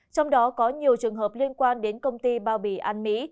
trong đó có nhiều trường hợp liên quan đến công ty ba vì an mỹ